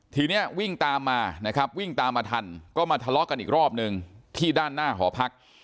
ทีนี้วิ่งตามมานะครับวิ่งตามมาทันก็มาทะเลาะกันอีกรอบนึงที่ด้านหน้าหอพัก